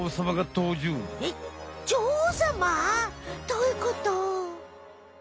どういうこと？